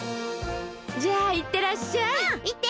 じゃあいってらっしゃい。